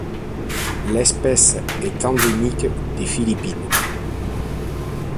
L'espèce est endémique des Philippines.